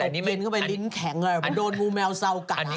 แบบเย็นเข้าไปลิ้นแข็งอะไรแบบประมาณโดนงูแมวเศร้ากัน